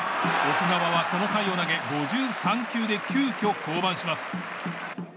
奥川はこの回を投げ５３球で急きょ降板します。